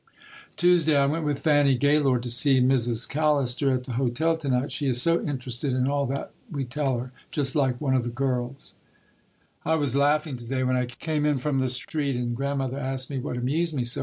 Tuesday. I went with Fanny Gaylord to see Mrs. Callister at the hotel to night. She is so interested in all that we tell her, just like "one of the girls." [Illustration: The Old Canandaigua Academy] I was laughing to day when I came in from the street and Grandmother asked me what amused me so.